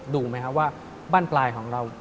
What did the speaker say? ดูไหมครับว่าบ้านปลายของเรา